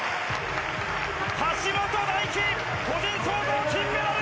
橋本大輝、個人総合金メダル！